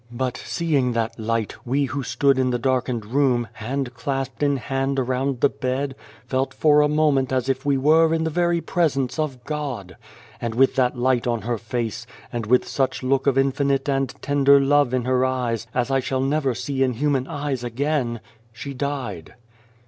But, seeing that light, we who stood in the darkened room, hand clasped in hand around the bed, felt for a moment as if we were in the very Presence of God. And with that light on her face, and with such look of infinite and tender love in her eyes as I shall never see in human eyes again, she died."